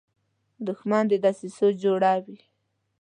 دښمن د دسیسو جوړه وي